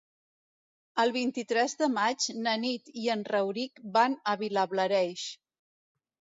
El vint-i-tres de maig na Nit i en Rauric van a Vilablareix.